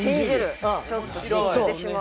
ちょっと信じてしまう。